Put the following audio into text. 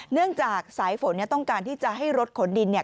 เนื่องจากสายฝนเนี่ยต้องการที่จะให้รถขนดินเนี่ย